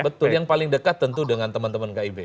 betul yang paling dekat tentu dengan teman teman kib